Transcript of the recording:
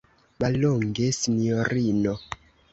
Mallonge, sinjorino.